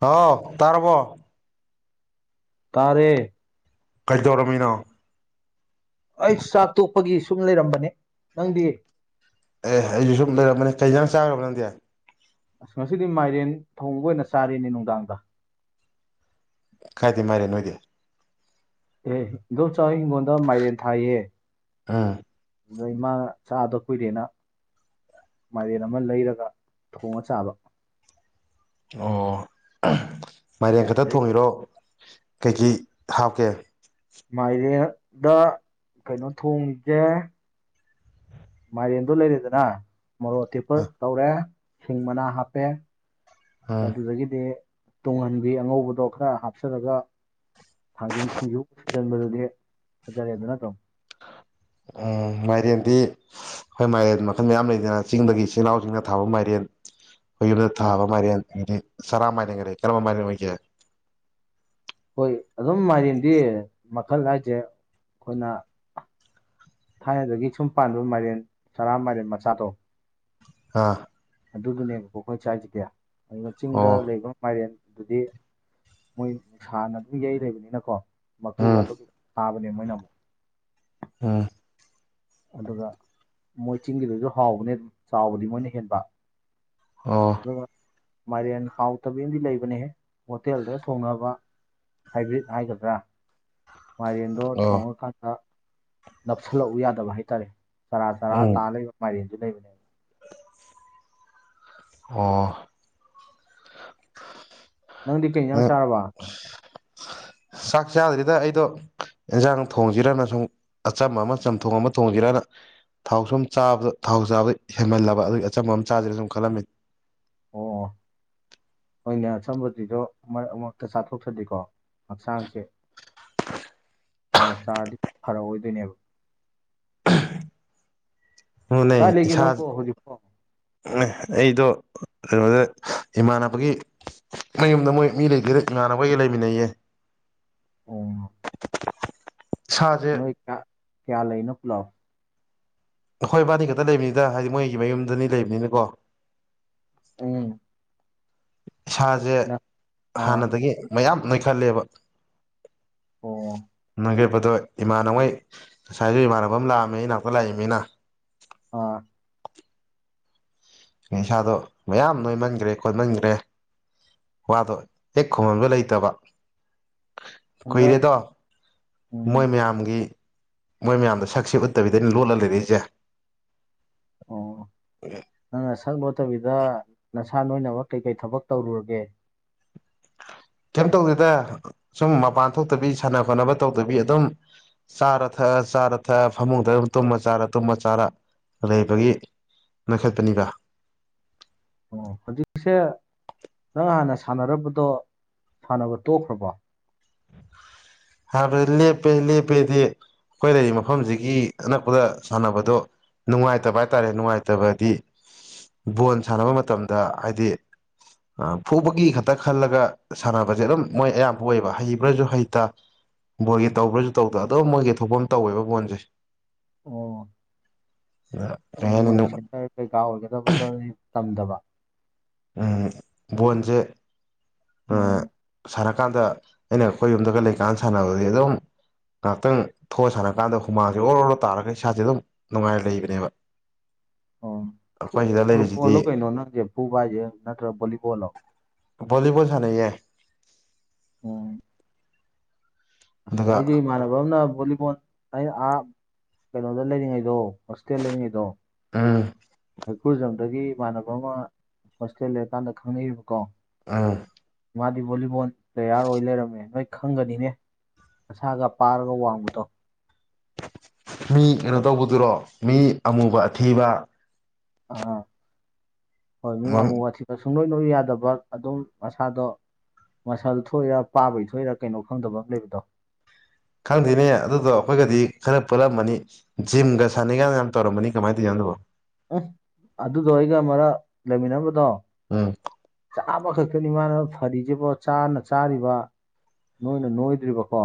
ꯍꯥꯎ ꯇꯥꯔꯕꯣ ꯇꯥꯔꯦ ꯀꯩꯗꯧꯔꯝꯃꯤꯅꯣ ꯑꯩ ꯆꯥꯛ ꯇꯣꯛꯄꯒꯤ ꯁꯨꯝ ꯂꯩꯔꯝꯕꯅꯦ ꯅꯪꯗꯤ ꯑꯦ ꯑꯩꯁꯨ ꯁꯨꯝ ꯂꯩꯔꯝꯕꯅꯦ ꯀꯩ ꯏꯟꯖꯥꯡ ꯆꯥꯈ꯭ꯔꯕ ꯅꯗꯤ ꯑꯁ ꯉꯁꯤꯗꯤ ꯃꯥꯏꯔꯦꯟ ꯊꯣꯡꯕ ꯑꯣꯏꯅ ꯆꯥꯔ‌ꯦꯅꯦ ꯅꯨꯡꯗꯥꯡꯗ ꯀꯥꯏꯗꯩ ꯃꯥꯏꯔꯦꯟ ꯅꯣꯏꯗꯤ ꯑꯦ ꯏꯨꯗꫭꯝ ꯆꯥꯍꫭꯏ ꯍꯤꯡꯡꯒꯣꯟꯗ ꯃꯥꯏꯔꯦꯟ ꯊꯥꯏꯌꯦ ꯎꯝ ꯑꯗꯣ ꯏꯃꯥꯅ ꯆꯥꯗ ꯀꯨꯏꯔꯦꯅ ꯃꯥꯏꯔꯟ ꯑꯃ ꯂꯩꯔꯒ ꯊꯣꯡꯉ ꯆꯥꯕ ꯑꯣ ꯃꯥꯏꯔꯦꯟ ꯈꯛꯇ ꯑꯗꯩ ꯊꯣꯡꯉꯤꯔꯣ ꯀꯩꯀꯩ ꯍꯥꯞꯀꯦ ꯃꯥꯏꯔꯦꯗ ꯀꯩꯅꯣ ꯊꯣꯡꯉꯤꯖ‌ꯦ ꯃꯥꯏꯔꯦꯟꯗꯣ ꯂꯩꯔꯦꯗꯅ ꯃꯔꯣꯛ ꯑꯇꯦꯛꯄ ꯇꯧꯔꯦ ꯁꯤꯡ ꯃꯅꯥ ꯍꯥꯞꯄꯦ ꯎꯝ ꯑꯗꯨꯗꯒꯤꯗꯤ ꯇꯨꯡꯍꯟꯕꯤ ꯑꯉꯧꯕꯗꯣ ꯈꯔ ꯍꯥꯞꯆꯜꯂꯒ ꯊꯥꯡꯖꯤꯡ ꯁꯤꯡꯖꯨ ꯁꯨꯖꯤꯟꯕꯗꯨꯗꯤ ꯐꯖꯔꯦꯗꯅꯥ ꯑꯗꯨꯝ [inaudible] ꯎꯝ ꯃꯥꯏꯔꯦꯟꯗꯤ ꯑꯩꯈꯣꯏ ꯃꯥꯏꯔꯦꯟ ꯃꯈꯜ ꯃꯌꯥꯝ ꯂꯩꯗꯅ ꯆꯤꯡꯗꯒꯤ ꯆꯤꯅꯥꯎꯁꯤꯡꯅ ꯊꯥꯕ ꯃꯥꯏꯔꯦꯟ [unintelligible] ꯑꯩ ꯈꫭꯏꯒꯤꯗ ꯊꯥꯕ ꯃꯥꯏꯌꯔ‌ꯦꯟ ꯗꯤ ꯆꯔꯥ ꯃꯥꯔꯒꯔꯦ ꯀꯔꯝꯕ ꯃꯥꯔ ꯑꯣꯏꯦ ꯍꯣꯏ ꯑꯗꯨꯝ ꯃꯥꯂꯦꯝꯗꯤ ꯃꯈꯜ ꯍꯥꯏꯁꯦ ꯑꯩꯈꯣꯏꯅ ꯊꯥꯏꯅꯗꯒꯤ ꯁꯨꯝ ꯄꯥꯟꯕ ꯃꯥꯏꯔꯦꯟ ꯁꯔꯥ ꯃꯥꯏꯔꯦꯟ ꯃꯆꯥꯗꯣ ꯑꯥ ꯑꯗꯨꯗꯨꯅꯦꯕꯀꯣ ꯑꯩꯈꯣꯏ ꯆꯥꯏꯁꯤꯗꯤ ꯑꯗꯨꯒ ꯆꯤꯡꯗ ꯑꯣ ꯂꯩꯕ ꯃꯥꯏꯔꯦꯟ ꯑꯗꯨꯗꯤ ꯃꯣꯏ ꯅꯨꯡꯁꯥꯅ ꯑꯗꯨꯝ ꯌꯩ ꯂꯩꯕꯅꯤꯅꯀꯣ ꯃꯀꯨꯒ ꯎꯝ ꯑꯗꯨ ꯃ ꯑꯃ ꯑ ꯑꯗꯨꯒ ꯃꯣꯏ ꯆꯤꯡꯒꯤꯗꯨꯁꯨ ꯍꯥꯎꯕꯅꯦ ꯑꯗꯨ ꯆꯥꯎꯕꯗꯤ ꯃꯣꯏꯅ ꯍꯦꯟꯕ ꯑꯥ ꯑꯗꯨꯒ ꯃꯥꯏꯔꯦꯟ ꯍꯥꯎꯇꯕꯤ ꯑꯃꯗꯤꯗꯤ ꯂꯩꯕꯅꯦꯍꯦ ꯍꯣꯇꯦꯜꯗ ꯊꯣꯡꯅꯕ ꯍꯥꯏꯕ꯭ꯔꯤꯠ ꯍꯥꯏꯒꯗ꯭ꯔꯥ ꯃꯥꯏꯔꯦꯟꯗꯣ ꯑꯣ ꯊꯣꯡꯉꯀꯥꯟꯗ ꯅꯞꯁꯤꯜꯂꯛꯎ ꯌꯥꯗꯕ ꯍꯥꯏꯇꯥꯔꯦ ꯆꯔꯥ ꯆꯔꯥ ꯎꯝ ꯇꯥ ꯂꯩꯕ ꯃꯥꯏꯁꯨ ꯂꯩꯕꯅꯦꯕ ꯑꯣ ꯅꯪꯗꯤ ꯀꯩ ꯅꯪ ꯆꯥꯔꯕ ꯆꯥꯛ ꯆꯥꯗ꯭ꯔꯤꯗ ꯑꯩꯗꯣ ꯏꯟꯁꯥꯡ ꯊꯣꯡꯁꯤꯔꯅ ꯁꯨꯝ ꯑꯆꯝꯕ ꯑꯃ ꯆꯝꯊꯣꯡ ꯑꯃ ꯊꯣꯡꯒꯔꯅ ꯊꯥꯎ ꯁꯨꯝ ꯆꯥꯕꯗ ꯊꯥꯎ ꯆꯥꯕꯗ ꯍꯦꯟꯃꯜꯂꯕ ꯑꯗꯨꯒꯤ ꯑꯆꯝꯕ ꯑꯃ ꯆꯥꯗ꯭ꯔꯦꯅ ꯁꯨꯝ ꯈꯜꯂꯝꯃꯤ ꯑꯣꯏꯅ ꯑꯝꯕꯗꯤꯗꯣ ꯃꯔꯛ ꯃꯔꯛꯇ ꯆꯥꯊꯣꯛꯊꯗꯦꯀꯣ ꯍꯛꯆꯥꯡꯁꯦ ꯊꯥꯎ ꯆꯥꯔꯗꯤ ꯐꯔꯛꯑꯣꯏꯗꯣꯏꯅꯦꯕ ꯍꯨꯅꯦ ꯀꯥꯏ ꯂꯩꯒꯦ ꯏꯁꯥ ꯅꯪꯕꯨ ꯍꯧꯖꯤꯛꯄꯣ ꯑꯩꯗꯣ ꯀꯩꯅꯣꯗ ꯏꯃꯥꯟꯅꯕꯒꯤ ꯃꯌꯨꯝꯗ ꯃꯣꯏ ꯃꯤ ꯂꯩꯒꯗ ꯏꯃꯥꯟꯅꯕꯒ ꯂꯩꯃꯤꯟꯅꯩꯌꯦ ꯏꯁꯥꯁꯦ ꯅꯣꯏꯌꯥ ꯀꯌꯥ ꯂꯩꯅꯣ ꯄꯨꯂꯥꯎ ꯑꯩꯣꯏꯕꯥꯅꯤ ꯈꯛꯇ ꯂꯩꯕꯅꯤꯗ ꯍꯥꯏꯗꯤ ꯃꯣꯏꯒꯤ ꯃꯌꯨꯝꯗꯅꯤ ꯂꯩꯕꯅꯤꯅꯀꯣ ꯎꯝ ꯏꯁꯥꯁꯦ ꯅꯪ ꯑꯥ ꯍꯥꯟꯅꯗꯒꯤ ꯃꯌꯥꯝ ꯅꯣꯏꯈꯜꯂꯦꯕ ꯑꯣ ꯃꯥ ꯀꯦ ꯗꯣ ꯏꯃꯥꯟꯉꯩ ꯉꯁꯥꯏꯁꯨ ꯏꯃꯥꯟꯅꯕ ꯑꯃ ꯂꯥꯛꯑꯝꯃꯦ ꯑꯩ ꯏꯅꯥꯛꯇ ꯂꯥꯛꯏꯅꯤꯅ ꯑꯥ ꯏꯁꯅꯤꯥꯗꯣ ꯃꯌꯥꯝ ꯅꯣꯏꯃꯟꯈ꯭ꯔꯦ ꯈꯣꯠꯃꯟꯈ꯭ꯔꯦ ꯋꯥꯗꯣ ꯍꯦꯛ ꯈꯃꯟꯕ ꯂꯩꯇꯕ ꯍꯟꯗꯛ ꯀꯨꯏꯔꯦꯗꯣ ꯃꯣꯏ ꯎꯝ ꯃꯌꯥꯝꯒꯤ ꯃꯣꯏ ꯃꯌꯥꯝꯗꯣ ꯁꯛꯁꯦ ꯎꯠꯇꯕꯤꯗꯅꯤ ꯂꯣꯜꯂ ꯂꯩꯔꯛꯏꯁꯦ ꯑꯣ ꯎꯝ ꯅꯪꯅ ꯁꯛ ꯂꯣꯠꯇꯕꯤꯗ ꯅꯁꯥ ꯅꯣꯏꯃꯛ ꯀꯩꯀꯩ ꯊꯕꯛ ꯇꯧꯔꯨꯔꯒꯦ [unintelligible] ꯀꯩꯝ ꯇꯧꯗꯦꯗ ꯁꯨꯝ ꯃꯄꯥꯟ ꯊꯣꯛꯇꯕꯤ ꯁꯥꯟꯅ ꯈꯣꯠꯅꯕ ꯇꯧꯗꯕꯤ ꯑꯗꯨꯝ ꯆꯥꯔ ꯊꯛꯑ ꯆꯥꯔ ꯊꯛꯑ ꯐꯃꯨꯡꯗ ꯑꯗꯨꯝ ꯇꯨꯝꯃ ꯆꯥꯔ ꯇꯨꯝꯃ ꯆꯥꯔ ꯂꯩꯕꯒꯤ ꯃ ꯈꯦꯠꯄꯅꯤꯕ ꯑꯣ ꯍꯧꯖꯤꯛꯁꯦ ꯅꯪ ꯍꯥꯟꯅ ꯁꯥꯟꯅꯔꯕꯗꯣ ꯁꯥꯟꯅꯕ ꯇꯣꯛꯈ꯭ꯔꯕꯣ ꯑꯕꯂ ꯄꯦ ꯄꯦꯗꯤ ꯑꯩꯈꯣꯏ ꯂꯩꯔꯤꯕ ꯃꯐꯝꯁꯤꯒꯤ ꯑꯅꯛꯄꯗ ꯁꯥꯟꯅꯕꯗꯣ ꯅꯨꯡꯉꯥꯏꯇꯕ ꯍꯥꯏꯇꯥꯔꯦ ꯅꯨꯡꯉꯥꯏꯇꯕꯗꯤ ꯕꯣꯜ ꯁꯥꯟꯅꯕ ꯃꯇꯝꯗ ꯍꯥꯏꯗꯤ ꯐꯨꯕꯒꯤ ꯈꯛꯇ ꯈꯜꯂꯒ ꯁꯥꯟꯅꯕꯁꯦ ꯑꯗꯨꯝ ꯃꯣꯏ ꯑꯌꯥꯝꯕ ꯑꯣꯏꯕ ꯍꯩꯕ꯭ꯔꯁꯨ ꯍꯩꯇ ꯕꯣꯏꯒꯤ ꯇꯧꯕ꯭ꯔꯁꯨ ꯇꯧꯗ ꯑꯣ ꯃꯣꯏꯒꯤ ꯊꯣꯛꯐꯝ ꯇꯧꯋꯦꯕ ꯕꯣꯣꯟꯁꯦ ꯑꯣ ꯑ ꯃꯣꯏ ꯁꯦꯇꯔ ꯀꯩꯀꯥ ꯑꯣꯏꯒꯗꯕꯗꯅꯤ ꯆꯝꯗꯕ ꯕꯣꯟꯁꯦ ꯎꯝ ꯁꯥꯔ ꯀꯥꯟꯗ ꯑꯩꯅ ꯑꯩꯈꯣꯏ ꯌꯨꯝꯗꯒ ꯂꯩꯀꯥꯟꯗ ꯁꯥꯟꯅꯕꯁꯦ ꯑꯗꯨꯝ ꯉꯥꯏꯍꯥꯛꯇꯪ ꯊꯣꯛꯑ ꯁꯥꯟꯅ ꯀꯥꯟꯗ ꯍꯨꯃꯥꯡꯁꯦ ꯑꯣꯔꯣ ꯑꯣꯔꯣ ꯇꯥꯔꯒ ꯏꯁꯥꯁꯦ ꯑꯗꯨꯝ ꯅꯨꯡꯉꯥꯏꯔ ꯂꯩꯕꯅꯦꯕ ꯑꯣ ꯑꯩꯈꯣꯏ ꯁꯤꯗ ꯂꯩꯔꯤꯁꯤꯗꯤ ꯐꯨꯠꯕꯣꯜꯂꯣ ꯀꯩꯅꯣ ꯅꯪꯁꯦ ꯐꯨꯕ ꯍꯥꯏꯁꯦ ꯅꯠꯇ꯭ꯔꯒ ꯚꯣꯂꯤꯕꯣꯜꯂꯣ ꯕꯣꯜꯂꯤ ꯕꯣꯜ ꯁꯥꯅꯩ ꯌꯦ ꯑꯣ ꯑꯁ ꯑꯗꯨꯒ ꯑꯩꯗꯤ ꯏꯃꯥꯟꯅꯕ ꯑꯃꯅ ꯚꯣꯂꯤꯕꯣꯜ ꯑ ꯑꯥ ꯀꯩꯅꯣꯗ ꯂꯩꯔꯤꯉꯩꯗꯣ ꯍꯣꯁꯇꯦꯜ ꯂꯩꯔꯤ ꯉꯩꯗꯣ ꯎꯝ ꯎꯈꯨꯜꯖꯝꯗꯒꯤ ꯏꯃꯥꯟꯅꯕ ꯑꯃ ꯍꯣꯁꯇꯦꯜ ꯂꯩꯔꯀꯥꯟꯗ ꯈꯪꯅꯔꯤꯕꯀꯣ ꯑꯥ ꯃꯥꯗꯤ ꯚꯣꯂꯤꯕꯣꯜ ꯄ꯭ꯂꯦꯌꯥꯔ ꯑꯣꯏ ꯂꯩꯔꯝꯃꯦ ꯅꯣꯏ ꯈꯪꯒꯅꯤꯅꯦ ꯃꯁꯥꯒ ꯄꯥꯔꯒ ꯋꯥꯡꯕꯗꯣ ꯃꯤ ꯀꯩꯅꯣ ꯇꯧꯕꯗꯨꯔꯣ ꯃꯤ ꯑꯃꯨꯕ ꯑꯊꯤꯕ ꯑ ꯍꯣꯏ ꯃꯤ ꯌꯥꯝꯃꯨꯋꯥꯗꯤꯁꯨ ꯁꯨꯡ ꯅꯣꯏ ꯅꯣꯏ ꯌꯥꯗꯕ ꯑꯗꯨꯝ ꯃꯁꯥꯗꯣ ꯃꯁꯜ ꯊꯣꯛꯏꯔꯥ ꯄꯥꯕꯒꯤ ꯊꯣꯛꯏꯔꯥ ꯀꯩꯅꯣ ꯈꯪꯗꯕ ꯑꯃ ꯂꯩꯕꯗꯣ ꯈꯪꯗꯦꯅꯦ ꯑꯗꯨꯗꯣ ꯑꯩꯈꯣꯏꯒꯗꯤ ꯈꯔ ꯄꯨꯜꯂꯝꯃꯅꯤ ꯖꯤꯝꯒ ꯁꯥꯟꯅꯩ ꯒꯥꯟ ꯌꯥꯝ ꯇꯧꯔꯝꯃꯅꯤ ꯀꯃꯥꯏꯅ ꯇꯧꯏꯅꯣ ꯑꯗꯨꯕꯣ ꯎꯝ ꯑꯗꯨꯗꯣ ꯑꯩꯒ ꯃꯔꯛ ꯂꯩꯃꯤꯟꯅꯔꯝꯕꯗꯣ ꯎꯝ ꯆꯥꯕ ꯈꯛꯇꯅꯤ ꯃꯥꯅ ꯐꯔꯤꯁꯤꯕꯣ ꯆꯥꯅ ꯆꯥꯔꯤꯕ ꯅꯣꯏꯅ ꯅꯣꯏꯗ꯭ꯔꯤꯕꯀꯣ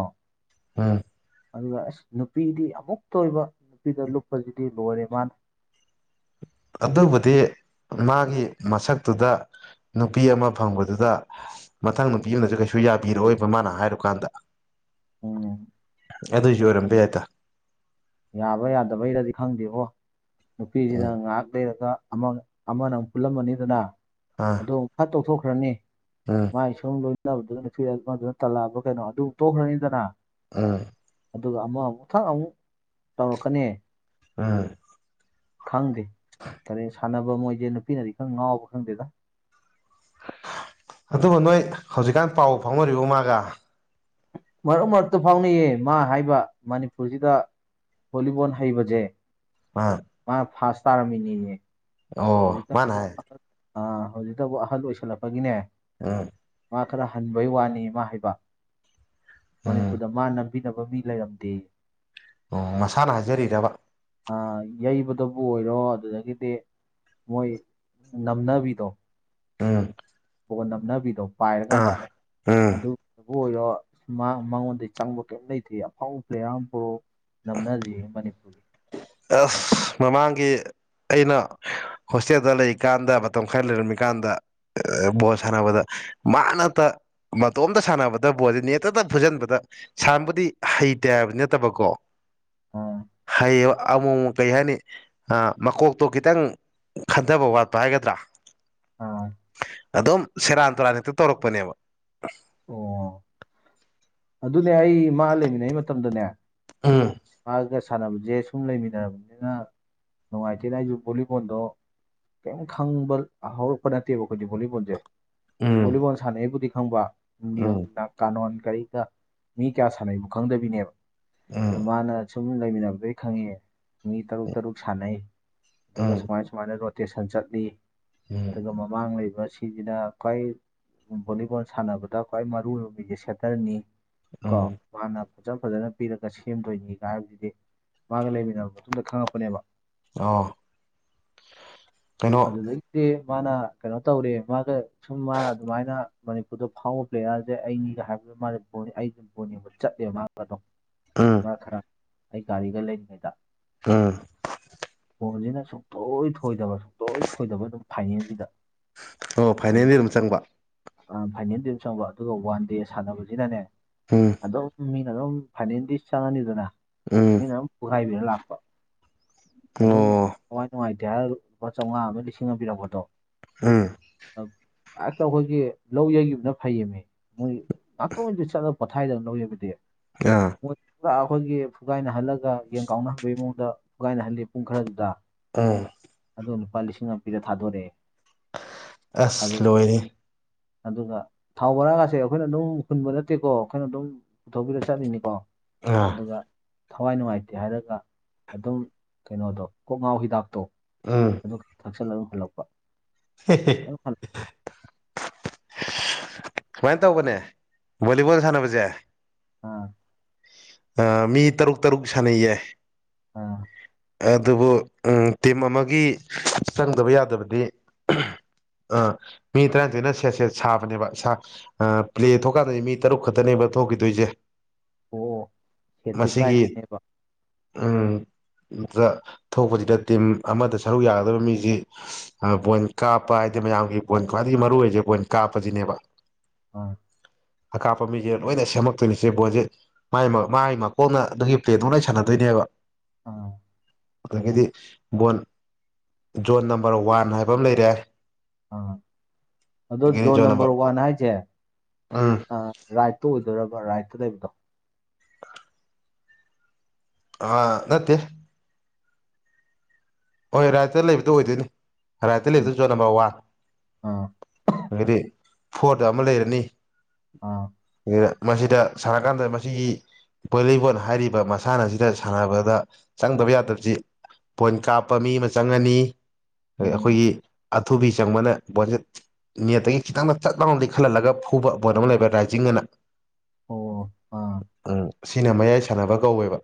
ꯑꯥ ꯑꯗꯨꯒ ꯑꯁ ꯅꯨꯄꯤꯗꯤ ꯑꯃꯨꯛ ꯇꯣꯏꯕ ꯅꯨꯄꯤꯗ ꯂꯨꯞꯄꯁꯤꯗꯤ ꯂꯣꯏꯔꯦ ꯃꯥꯅ ꯑꯗꯨꯕꯨꯗꯤ ꯃꯥꯒꯤ ꯃꯁꯛꯇꯨꯗ ꯅꯨꯄꯤ ꯑꯃ ꯐꯪꯕꯗꯨꯗ ꯃꯊꯪ ꯅꯨꯄꯤ ꯑꯃꯅꯁꯨ ꯀꯩꯁꯨ ꯌꯥꯕꯤꯔꯛꯑꯣꯏꯕ ꯃꯥꯅ ꯍꯥꯏꯔꯨꯀꯥꯟꯗ ꯎꯝ ꯑꯗꯨꯏ ꯁꯨ ꯑꯣꯢꯔꯝ ꯕꯥ ꯌꯥꯏꯗ ꯌꯥꯕ ꯌꯥꯗꯕꯩꯔꯗꯤ ꯈꯪꯗꯦꯕꯣ ꯅꯨꯄꯤꯁꯤꯅ ꯎꯝ ꯉꯥꯏꯍꯥꯛ ꯂꯩꯔꯒ ꯑꯃꯅ ꯑꯃꯨꯛ ꯄꯨꯜꯂꯝꯃꯅꯤꯗꯅ ꯑꯥ ꯑꯗꯨꯒ ꯐꯠ ꯇꯣꯛꯊꯣꯛꯈ꯭ꯔꯅꯤ ꯎꯝ ꯃꯥꯏ ꯁꯨꯝ ꯂꯣꯏꯅꯕꯗꯨꯅ ꯅꯨꯄꯤ ꯑꯃꯥꯗꯨꯅ ꯇꯜꯂꯛꯑꯕ ꯀꯩꯅꯣ ꯑꯗꯨ ꯇꯣꯛꯈ꯭ꯔꯅꯤꯗꯅ ꯑꯥ ꯑꯗꯨꯒ ꯑꯃꯥ ꯑꯃꯨꯛ ꯊꯛ ꯑꯃꯨꯛ ꯇꯧꯔꯛꯀꯅꯤ ꯑꯥ ꯈꯪꯗꯦ ꯀꯔꯤ ꯁꯥꯟꯅꯕ ꯃꯣꯏꯁꯦ ꯅꯨꯄꯤꯅꯗꯤ ꯈꯔ ꯉꯥꯎꯕ ꯈꯪꯗꯦꯗ ꯑꯗꯨꯕꯨ ꯅꯣꯏ ꯍꯧꯖꯤꯛꯀꯥꯟ ꯄꯥꯎ ꯐꯥꯎꯅꯔꯤꯕ ꯃꯥꯒ ꯃꯔꯛ ꯃꯔꯛꯇ ꯐꯥꯎꯅꯩꯌꯦ ꯃꯥ ꯍꯥꯏꯕ ꯃꯅꯤꯄꯨꯔꯁꯤꯗ ꯚꯣꯂꯤꯕꯣꯜ ꯍꯩꯕꯁꯦ ꯑꯥ ꯃꯥꯅ ꯐꯥꯁ ꯇꯥꯔꯝꯃꯤꯅꯤꯌꯦ ꯑꯣ ꯃꯥꯅ ꯍꯥꯏ ꯑꯥ ꯍꯧꯖꯤꯛꯇꯕꯨ ꯑꯍꯜ ꯑꯣꯏꯁꯜꯂꯛꯄꯒꯤꯅꯦ ꯑꯥ ꯃꯥ ꯈꯔ ꯍꯟꯕꯩ ꯋꯥꯅꯤ ꯃꯥ ꯍꯥꯏꯕ ꯎꯝ ꯃꯅꯤꯄꯨꯔꯗ ꯃꯥꯅ ꯕꯤꯅꯕ ꯃꯤ ꯂꯩꯔꯝꯗꯦ ꯑꯣ ꯃꯁꯥꯅ ꯍꯥꯏꯖꯔꯤꯔꯕ ꯑ ꯌꯩꯕꯗꯕꯨ ꯑꯣꯏꯔꯣ ꯑꯗꯨꯗꯒꯤꯗꯤ ꯃꯣꯏ ꯅꯝꯅꯕꯤꯗꯣ ꯑꯝ ꯕꯣꯜ ꯅꯝꯅꯕꯤꯗꯣ ꯄꯥꯏꯔꯀꯥꯟꯗ ꯎꯝ ꯑꯗꯨ ꯑꯣꯏꯔꯣ ꯃꯉꯣꯟꯗ ꯆꯪꯕ ꯀꯔꯤꯝ ꯂꯩꯇ꯭ꯦ ꯑꯐꯥꯎꯕ ꯄ꯭ꯂꯦꯌꯥꯔ ꯑꯃ ꯄꯨꯔꯛ ꯑꯣ ꯅꯝꯅꯖꯤ ꯃꯅꯤꯄꯨꯔꯤ ꯑꯁ ꯃꯃꯥꯡꯒꯤ ꯑꯩꯅ ꯍꯣꯁꯇꯦꯜꯗ ꯂꯩꯔꯤꯀꯥꯟꯗ ꯃꯇꯝ ꯈꯔ ꯂꯩꯔꯝ ꯃꯤꯀꯥꯟꯗ ꯑꯏ ꯕꯣꯜ ꯁꯥꯟꯅꯕꯗ ꯃꯥꯅꯠꯇ ꯃꯇꯣꯝꯇ ꯁꯥꯟꯅꯕꯗ ꯕꯣꯜꯌ‌ꯦ ꯅ‌ꯦꯠꯇꯗ ꯐꯨꯖꯟꯕꯗ ꯁꯥꯟꯕꯨꯗꯤ ꯍꯩꯇꯦ ꯍꯥꯏꯕꯗꯤ ꯅꯠꯇꯕꯀꯣ ꯑꯥ ꯍꯌꯦꯌꯦ ꯑꯃꯨꯛ ꯑꯃꯨꯛ ꯀꯩ ꯍꯥꯏꯅꯤ ꯑ ꯃꯀꯣꯛꯇꯣ ꯈꯤꯇꯪ ꯈꯟꯊꯕ ꯋꯥꯠꯄ ꯍꯥꯏꯒꯗ꯭ꯔꯥ ꯑꯥ ꯑꯗꯨꯝ ꯁꯦꯔꯥꯟ ꯇꯨꯔꯥꯟ ꯍꯦꯛꯇ ꯇꯧꯔꯛꯄꯅꯦꯕ ꯑꯣ ꯑꯗꯨꯅꯦ ꯑꯩ ꯃꯥ ꯂꯩꯃꯤꯟꯅꯩ ꯃꯇꯝꯗꯅꯦ ꯎꯝ ꯃꯥꯒ ꯁ ꯁꯥꯟꯅꯕꯁꯦ ꯁꯨꯝ ꯂꯩꯃꯤꯟꯅꯔꯕꯅꯤꯅ ꯅꯨꯡꯉꯥꯏꯇꯦꯅ ꯑꯩꯁꯨ ꯚꯣꯂꯤꯕꯣꯜꯗꯣ ꯀꯦꯝ ꯈꯪꯕ ꯍꯧꯔꯛꯄ ꯅꯠꯇꯦꯕ ꯑꯩꯈꯣꯏꯗꯤ ꯚꯣꯂꯤꯕꯣꯜꯁꯦ ꯎꯝ ꯚꯣꯂꯤꯕꯣꯜ ꯁꯥꯟꯅꯩꯕꯨꯗꯤ ꯈꯪꯕ ꯎꯝ ꯅꯤꯌꯣꯝꯅ ꯀꯥꯅꯣꯟ ꯀꯔꯤ ꯗ ꯃꯤ ꯀꯌꯥ ꯁꯥꯟꯅꯩꯕꯨ ꯈꯪꯗꯕꯤꯅꯦꯕ ꯑꯗ ꯃꯥꯅ ꯁꯨꯝ ꯂꯩꯃꯤꯟꯅꯕꯗꯩ ꯈꯪꯉ‌ꯦ ꯃꯤ ꯇꯔꯨꯛ ꯇꯔꯨꯛ ꯁꯥꯟꯅꯩ ꯎꯝ ꯑꯗꯨꯒ ꯎꯝ ꯁꯨꯃꯥꯏ ꯁꯨꯃꯥꯏꯅ ꯔꯣꯇꯦꯁꯟ ꯆꯠꯂꯤ ꯎꯝ ꯑꯗꯨꯒ ꯃꯃꯥꯡ ꯂꯩꯕ ꯁꯤꯁꯤꯅ ꯈ꯭ꯋꯥꯏ ꯚꯣꯂꯤꯕꯣꯜ ꯁꯥꯟꯅꯕꯗ ꯈ꯭ꯋꯥꯏ ꯃꯔꯨ ꯑꯣꯏꯕ ꯃꯤꯁꯦ ꯁꯦꯇꯔꯅꯤ ꯀꯣ ꯎꯝ ꯃꯥꯅ ꯐꯖ ꯐꯖꯅ ꯄꯤꯔꯒ ꯁꯦꯝꯗꯣꯏꯅꯤꯒ ꯍꯥꯏꯗꯨꯗꯤ ꯃꯥꯒ ꯂꯩꯃꯤꯟꯅꯔꯕ ꯃꯇꯨꯡꯗ ꯈꯪꯉꯛꯄꯅꯦꯕ ꯑꯣ ꯀꯩꯅꯣ ꯑꯗꯨꯗꯩꯗꯤ ꯃꯥꯅ ꯀꯩꯅꯣ ꯇꯧꯔ‌ꯦ ꯃꯥꯒ ꯁꯨꯝ ꯃꯥꯅ ꯑꯗꯨꯃꯥꯏꯅ ꯃꯅꯤꯄꯨꯔꯗ ꯐꯥꯎꯕ ꯄ꯭ꯂꯦꯌꯥꯔꯁꯦ ꯑꯩꯅꯤꯒ ꯍꯥꯏꯕ ꯑꯩꯁꯦ ꯕꯜ ꯌꯦꯡꯕ ꯆꯠꯂꯦꯕ ꯃꯥꯗꯣ ꯎꯝ ꯃꯈ꯭ꯔꯥ ꯑꯩ ꯒꯥꯔꯤꯒ ꯂꯩꯇꯔꯤꯉꯩꯗ ꯑꯝ ꯕꫭꯟꯁꯤꯅ ꯁꯨꯡ ꯊꯣꯏ ꯊꯣꯏꯗꯕ ꯁꯨꯡꯊꫭꯏ ꯊꫭꯏꯗꯕ ꯑꯗꯨꯝ ꯐꯥꯏꯅꯜꯁꯤꯗ ꯑꯣ ꯐꯥꯏꯅꯦꯜꯗ ꯑꯗꯨꯝ ꯆꯪꯕ ꯐꯥꯏꯅꯦꯜꯗ ꯑꯗꯝ ꯆꯪꯕ ꯑꯗꯨꯒ ꯋꯥꯟ ꯗꯦ ꯁꯥꯟꯅꯕꯁꯤꯅꯅꯦ ꯎꯝ ꯑꯗꯨꯝ ꯃꯤ ꯑꯗꯨꯝ ꯐꯥꯏꯅꯦꯟꯗꯤ ꯆꯪꯉꯅꯤꯗꯅ ꯎꯝ ꯃꯤꯅ ꯑꯗꯨꯝ ꯄꯈꯥꯏꯕꯤꯔ ꯂꯥꯛꯄ ꯑꯗꯨꯝ ꯑꯣ ꯊꯋꯥꯏ ꯅꯨꯡꯉꯥꯏꯇꯦ ꯍꯥꯏꯔ ꯑꯗꯝ ꯂꯨꯄꯥ ꯆꯥꯝꯃꯉꯥ ꯑꯃ ꯂꯤꯁꯤꯡ ꯄꯤꫪꯛꯄꯗꯣ ꯎꯝ ꯑ [unintelligible] ꯍꯦꯛꯇ ꯑꯩꯈꯣꯏꯒꯤ ꯂꯧ ꯌꯩꯈꯤꯕꯅ ꯐꯩꯌꯦꯃꯤ ꯃꯣꯏ ꯉꯥꯛꯇꯥ ꯑꫭꯏꯔ꯭ꯁꯨ ꯆꯠꯂ ꯄꯣꯊꯥꯏꯗꯅ ꯂꯧ ꯌꯩꯕꯗꯤ ꯑꯥ ꯄꯨꯔ ꯑꯩꯈꯣꯏꯒꯤ ꯐꯨꯒꯥꯏꯅꯍꯜꯂꯒ ꯌꯦꯟ ꯀꯥꯎꯅꯍꯟꯕꯒꯤ ꯃꯑꯣꯡꯗ ꯐꯨꯒꯥꯏꯅꯍꯜꯂꯤ ꯄꯨꯡ ꯈꯔꯗꯨꯗ ꯑꯥ ꯑꯗꯨ ꯂꯨꯄꯥ ꯂꯤꯁꯤꯡ ꯑꯃ ꯄꯤꯔꯒꯥ ꯊꯥꯗꯣꯔꯛꯑꯦ ꯑꯁ ꯑꯗꯨꯒ ꯂꯣꯏꯔꯦꯍ‌ꯦ ꯑꯗꯨꯒ ꯊꯥꯎ ꯕꯣꯔꯥꯒꯁꯦ ꯑꯩꯈꯣꯏꯅ ꯑꯗꯨꯝꯈꯨꯟꯕ ꯅꯠꯇꯦꯀꯣ ꯑꯩꯈꯣꯏꯅ ꯑꯗꯨꯝ ꯄꯨꯊꯣꯛꯄꯤꯔ ꯆꯠꯂꯤꯅꯤꯀꯣ ꯑꯥ ꯑꯗꯨꯒ ꯊꯋꯥꯏ ꯅꯨꯡꯉꯥꯏꯇꯦ ꯍꯥꯏꯔꯒ ꯑꯗꯨꯝ ꯀꯩꯅꯣꯗꯣ ꯀꯣꯛ ꯉꯥꯎ ꯍꯤꯗꯥꯛꯇꯣ ꯎꯝ ꯑꯗꯨ ꯊꯛꯆꯜꯂ ꯑꯗꯨꯝ ꯍꯜꯂꯛꯄ ꯑꯗꯨꯝ ꯍꯜꯂꯛ [unintelligible] ꯁꯨꯃꯥꯏꯅ ꯇꯧꯕꯅꯦ ꯚꯣꯂꯤꯕꯣꯜ ꯁꯥꯟꯅꯕꯁꯦ ꯑꯥ ꯑ ꯃꯤ ꯇꯔꯨꯛ ꯇꯔꯨꯛ ꯁꯅꯩꯌꯦ ꯑꯥ ꯑꯗꯨꯕꯨ ꯇꯤꯝ ꯑꯃꯒꯤ ꯆꯪꯗꯕ ꯌꯥꯗꯕꯗꯤ ꯑꯥ ꯃꯤ ꯇꯔꯥꯅꯤꯊꯣꯏꯅ ꯁꯦꯠ ꯁꯦꯠ ꯁꯥꯕꯅꯦꯕ ꯑ ꯄ꯭ꯂꯦ ꯊꯣꯛꯀꯥꯟꯗꯗꯤ ꯃꯤ ꯇꯔꯨꯛ ꯈꯛꯇꯅꯦꯕ ꯊꯣꯛꯈꯤꯗꯣꯏꯁꯦ ꯑꯣ ꯁꯦꯠꯇꯤ ꯃꯁꯤꯒꯤ ꯇꯔꯥꯅꯤꯊꯣꯏꯅꯦꯕ ꯎꯝ ꯗ ꯊꯣꯛꯄꯁꯤꯗ ꯇꯤꯝ ꯑꯃꯗ ꯁꯔꯨꯛ ꯌꯥꯒꯗꯧꯕ ꯃꯤꯁꯤ ꯕꯣꯏꯟ ꯀꯥꯞꯄ ꯍꯥꯏ ꯃꯌꯥꯝꯒꯤ ꯕꫭꯟ ꯈ꯭ꯋꯥꯏꯗꯒꯤ ꯃꯔꯨ ꯑꯣꯏꯁꯦ ꯕꫭꯟ ꯀꯥꯞꯄꯁꯤꯅꯦꯕ ꯑꯥ ꯀꯥꯞꯄ ꯃꯤꯁꯦ ꯂꯣꯏꯅ ꯁꯦꯝꯃꯛꯛꯇꯣꯏꯅꯦꯆꯦ ꯕꯣꯜꯁꯦ ꯃꯥꯥꯏ ꯃꯀꯣꯟꯅ ꯑꯗꯨꯒꯤ ꯄ꯭ꯂꯦꯗꯣ ꯂꯣꯏ ꯁꯥꯟꯅꯗꯣꯏꯅꯦꯕ ꯑꯥ ꯑꯗꯒꯤꯗꯤ ꯕꯣꯟ ꯖꯣꯟ ꯅꯝꯕꯔ ꯋꯥꯟ ꯍꯥꯏꯕ ꯑꯃ ꯂꯩꯔꯦ ꯑꯥ ꯑꯗꯣ ꯖꯣꯟ ꯅꯝꯕꯔ ꯋꯥꯟ ꯍꯥꯏꯁꯦ ꯎꯝ ꯑ ꯔꯥꯏꯠꯇ ꯑꯣꯏꯗꯣꯏꯔꯕ ꯔꯥꯏꯠꯇ ꯂꯩꯕꯗꯣ ꯑ ꯑꯥ ꯅꯠꯇꯦ ꯍꯣꯏ ꯔꯥꯏꯇ ꯂꯩꯕꯗꯨꯣ ꯑꯣꯏꯗꯣꯏꯅꯤ ꯔꯥꯏꯇ ꯎꯝ ꯌꯦꯛꯇ ꯆꯣꯠꯂꯝꯕ ꯑꯥ ꯋꯥꯗꯤ ꯐꯣꯔꯠ ꯑꯃ ꯂꯩꯔꯅꯤ ꯑꯥ ꯃꯁꯤꯗ ꯁꯥꯟꯅꯀꯥꯟꯗ ꯃꯁꯤꯒꯤ ꯕꯣꯂꯤꯕꯣꯜ ꯍꯥꯏꯔꯤꯕ ꯃꯁꯥꯟꯅ ꯑꯁꯤꯗ ꯁꯥꯟꯅꯕꯗ ꯆꯪꯗꯕ ꯌꯥꯗꯕꯁꯤ ꯄꯣꯏꯟ ꯀꯥꯞ ꯆꯞꯄ ꯃꯤ ꯑꯃ ꯆꯪꯉꯅꯤ ꯎꯝ ꯑꯩꯈꯣꯏꯒꯤ ꯑꯊꯨꯕꯤ ꯆꯪꯕꯅ ꯕꯣꯟꯁꯦꯠ ꯅꯦꯠꯇꯒꯤ ꯈꯤꯇꯪꯗ ꯆꯠ ꯂꯥꯡꯅꯗꯤ ꯈꯜꯍꯜꯂꯒ ꯐꯨꯕ ꯄꯕꯣꯏꯠ ꯑꯃ ꯂꯩꯕ ꯔꯥꯏꯖꯤꯡ ꯑꯅ ꯑꯣ ꯑꯥ ꯎꯝ ꯁꯤꯅ ꯃꯌꯥꯏ ꯁꯥꯟꯅꯕ ꯀꯧꯋꯦꯕ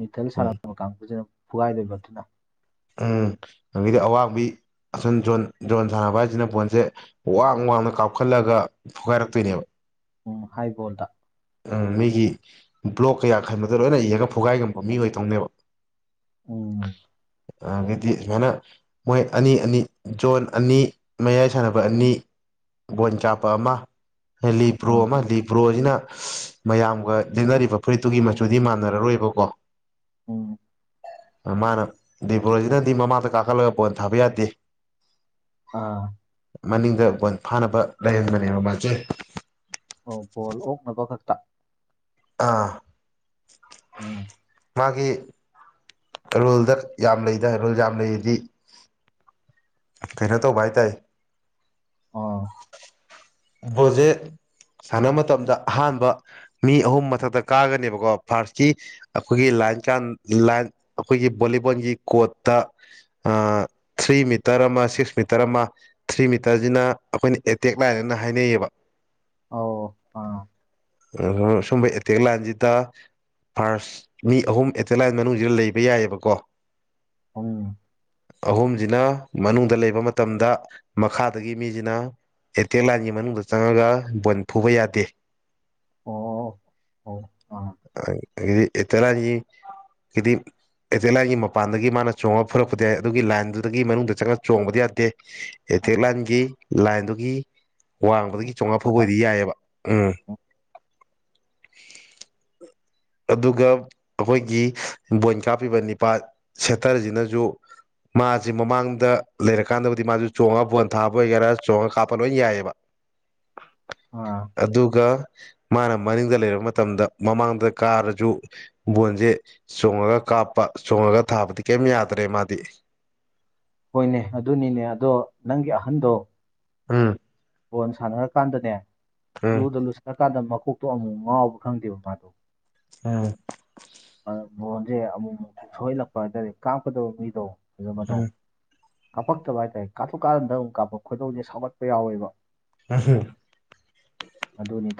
ꯃꯤꯊꯜ ꯎꯝ ꯁꯥꯟꯅꯕ ꯀꯥꯡꯁꯤꯅ ꯐꯨꯒꯥꯏꯗꯣꯏꯕ ꯑꯗꯨꯅ ꯎꯝ ꯅꯪꯒꯤꯗꯤ ꯑꯋꯥꯡꯕꯤ ꯑꯁꯨꯝ ꯖꯣꯟ ꯖꯣꯟ ꯁꯥꯟꯅꯕ ꯍꯥꯏꯁꯤꯅ ꯐꯣꯟꯁꯦ ꯋꯥꯡ ꯋꯥꯡꯅ ꯀꯥꯞꯈꯠꯂꯒ ꯐꯨꯒꯥꯏꯔꯛꯇꯣꯏꯅꯦꯕ ꯎꯨꯝ ꯍꯥꯏꯕꯣꯟꯜꯗ ꯎꯝ ꯃꯤꯒꯤ ꯕ꯭ꯂꯣꯛ ꯀꯌꯥ ꯈꯟꯕꯗ ꯂꯣꯏꯅ ꯏꯔꯒ ꯐꯨꯒꯥꯏ ꯉꯝꯕ ꯃꯤꯈ ꯇꯧꯅꯦꯕ ꯑꯣ ꯑꯗꯒꯤꯗꯤ ꯁꯨꯃꯥꯏꯅ ꯃꯣꯏ ꯑꯅꯤ ꯑꯅꯤ ꯖꯣꯟ ꯑꯅꯤ ꯃꯌꯥꯏ ꯁꯥꯟꯅꯕ ꯑꯅꯤ ꯒꯣꯟꯆꯥꯄ ꯑꯃ ꯂꯤꯄ꯭ꯔꯣ ꯑꯥ ꯑꯃ ꯂꯤꯄ꯭ꯔꯣ ꯑꯩꯅ ꯃꯌꯥꯝꯒ ꯂꯦꯡꯅꯔꯤꯕ ꯐꯨꯔꯤꯠꯇꯨꯒꯤ ꯃꯆꯨꯗꯤ ꯃꯥꯟꯅꯔꯔꯣꯏꯕꯀꯣ ꯎꯝ ꯃꯥꯅ ꯗꯤꯕ꯭ꯔꯣꯖꯤꯅꯗꯤ ꯃꯃꯥꯡꯗ ꯀꯥꯈꯠꯂꯒ ꯄꯣꯏꯟ ꯊꯥꯕ ꯌꯥꯗꯦ ꯑꯥ ꯃꯅꯤꯡꯗ ꯕ ꯐꯥꯅꯕ ꯂꯩꯍꯟꯕꯅꯦꯕ ꯃꯥꯁꯦ ꯑꯣ ꯕꯣꯜ ꯑꯣꯛꯅꯕ ꯈꯛꯇ ꯑꯥ ꯎꯝ ꯃꯥꯒꯤ ꯔꯨꯜꯗ ꯌꯥꯝ ꯂꯩꯗ ꯔꯨꯜ ꯌꯥꯝ ꯂꯩꯔꯤꯗꯤ ꯈꯩꯅꯩꯅꯣ ꯇꯧ ꯚꯥꯏ ꯇꯥꯏ ꯑꯥ ꯍꯧꯖꯦ ꯁꯥꯟꯅꯕ ꯃꯇꯝꯗ ꯑꯍꯥꯟꯕ ꯃꯤ ꯑꯍꯨꯝ ꯃꯊꯛꯇ ꯀꯥꯒꯅꯦꯕꯀꯣ ꯐꯥꯔꯁꯀꯤ ꯑꯩꯈꯣꯏꯒꯤ ꯑꯩꯈꯣꯏꯒꯤ ꯕꯣꯂꯤꯕꯣꯟꯒꯤ ꯀꯠꯇ ꯊ꯭ꯔꯤ ꯃꯤꯇꯔ ꯑꯃ ꯁꯤꯛꯁ ꯃꯤꯇꯔ ꯑꯃ ꯊ꯭ꯔꯤ ꯃꯤꯇꯔꯁꯤꯅ ꯑꯩꯈꯣꯏꯅ ꯑꯦꯇꯦꯛ ꯂꯥꯏꯔꯦꯅ ꯍꯥꯏꯅꯩꯌꯦꯕ ꯑ ꯑꯥ ꯑ ꯁꯨꯝ ꯑꯦꯇꯦꯛꯒ ꯂꯥꯟꯁꯤꯗ ꯐꯥꯔꯁ ꯃꯤ ꯑꯍꯨꯝ ꯑꯦꯇꯔꯂꯥꯏꯁ ꯃꯅꯨꯡꯁꯤꯗ ꯂꯩꯕ ꯌꯥꯏꯑꯕꯀꯣ ꯎ ꯑꯍꯨꯝꯁꯤꯅ ꯃꯅꯨꯡꯗ ꯂꯩꯕ ꯃꯇꯝꯗ ꯃꯈꯥꯗꯒꯤ ꯃꯤꯁꯤꯅ ꯑꯦꯇꯦꯛ ꯂꯥꯟꯒꯤ ꯃꯅꯨꯡꯗ ꯆꯪꯉꯒ ꯕꯜ ꯐꯨꯕ ꯌꯥꯗꯦ ꯑꯣ ꯑꯣ ꯑꯥ ꯗꯤ ꯑꯦꯇꯅ ꯀꯗꯤ ꯑꯦꯇꯔ ꯂꯥꯏꯟꯒꯤ ꯃꯄꯥꯟꯗꯒꯤ ꯃꯥꯅ ꯆꯣꯡꯉꯒ ꯐꯨꯔꯛꯄꯗꯤ ꯌꯥꯏ ꯑꯗꯨꯒꯤ ꯂꯥꯏꯟꯗꯨꯒꯤ ꯃꯅꯨꯡꯗ ꯆꯪꯉꯒ ꯆꯣꯡꯕꯗꯤ ꯌꯥꯗꯦ ꯑꯥ ꯏꯇꯦꯛ ꯂꯥꯏꯟꯒꯤ ꯂꯥꯏꯟꯗꯨꯒꯤ ꯋꯥꯡꯕꯗꯒꯤ ꯆꯥꯝꯃꯉꯥ ꯐꯨꯕ ꯐꯪꯕꯗ ꯑꯣꯏꯗꯤ ꯌꯥꯏꯑꯕ ꯎꯝ ꯑ ꯑꯗꯨꯒ ꯑꯩꯈꯣꯏꯒꯤ ꯕꯣꯏꯟ ꯀꯥꯞꯄꯤꯕ ꯅꯤꯄꯥ ꯁꯦꯇꯔꯁꯤꯅꯁꯨ ꯃꯥꯁꯤ ꯃꯃꯥꯡꯗ ꯂꯩꯔꯀꯥꯟꯗꯕꯨꯗꯤ ꯃꯥꯁꯨ ꯆꯣꯡꯉꯒ ꯄꯣꯟ ꯊꯥꯕ ꯑꯣꯏꯒꯦꯔꯥ ꯆꯣꯡꯉꯒ ꯀꯥꯞꯄ ꯂꯣꯏ ꯌꯥꯏꯑꯕ ꯑꯥ ꯑꯗꯨꯒ ꯃꯥꯅ ꯃꯅꯤꯡꯗ ꯂꯩꯔꯕ ꯃꯇꯝꯗ ꯃꯃꯥꯡꯗ ꯀꯥꯔꯁꯨ ꯕꯣꯟꯁꯦ ꯆꯣꯡꯉꯒ ꯀꯥꯞꯄ ꯆꯣꯡ ꯊꯥꯗꯤ ꯀꯩ ꯌꯥꯗ꯭ꯔꯦ ꯃꯥꯗꯤ ꯍꯣꯏꯅꯦ ꯑꯗꯨꯅꯤꯅꯦ ꯑꯗꯣ ꯅꯪꯒꯤ ꯑꯍꯟꯗꯣ ꯎꯝ ꯕꯣꯜ ꯁꯥꯟꯅꯔ ꯀꯥꯟꯗꯅꯦ ꯎꯝ ꯂꯨꯗ ꯂꯨꯁꯟꯅꯀꯥꯟꯗ ꯃꯀꯣꯛꯇꯣ ꯑꯃꯨꯛ ꯉꯥꯎꯕ ꯈꯪꯗꯦꯕ ꯃꯥꯗꯣ ꯎꯝ ꯕꯣꯟꯁꯦ ꯑꯃꯨꯛꯨ ꯃꯨꯛꯁꯨ ꯁꯣꯛꯍꯜꯂꯛꯄ ꯍꯥꯏꯇꯥꯔꯦ ꯀꯥꯞꯀꯗꯕ ꯃꯤꯗꯣ ꯐꯖꯕꯗꯣ ꯎꯝ ꯀꯥꯞꯄꯛꯇꯕ ꯍꯥꯏꯇꯥꯔꯦ ꯀꯥꯞꯊꯣꯛꯀꯥꯟꯗ ꯑꯃꯨ ꯀꯥꯞꯄ ꯈ ꯈꯨꯗꯧꯁꯦ ꯁꯥꯎꯒꯠꯄ ꯌꯥꯎꯋꯦꯕ ꯑꯁꯤ ꯑꯗꯨꯅꯤꯇ